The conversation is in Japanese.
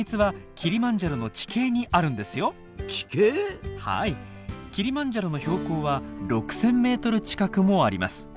キリマンジャロの標高は６，０００ｍ近くもあります。